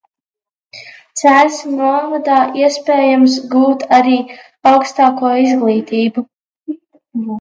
Cēsu novadā iespējams gūt arī augstāko izglītību.